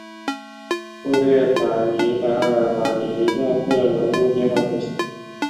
布列塔尼达尔马尼亚克人口变化图示